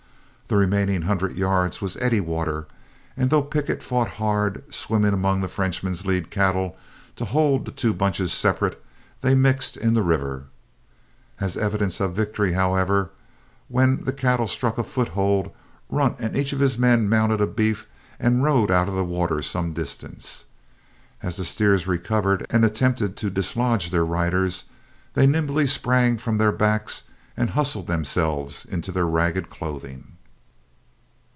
The remaining hundred yards was eddy water; and though Pickett fought hard, swimming among the Frenchman's lead cattle, to hold the two bunches separate, they mixed in the river. As an evidence of victory, however, when the cattle struck a foothold, Runt and each of his men mounted a beef and rode out of the water some distance. As the steers recovered and attempted to dislodge their riders, they nimbly sprang from their backs and hustled themselves into their ragged clothing.